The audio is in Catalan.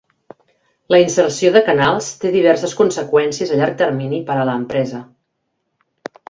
La inserció de canals té diverses conseqüències a llarg termini per a l'empresa.